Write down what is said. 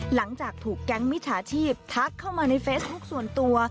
หลังจากถูกแก๊งมิจฉาชีพทักเข้ามาในเฟซบุ๊คส่วนตัว